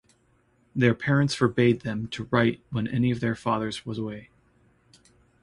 Their parents forbade them to write when any of their fathers was away.